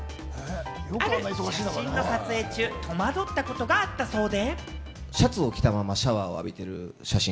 ある写真の撮影中、戸惑ったことがあったそうで。